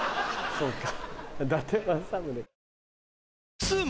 そうか。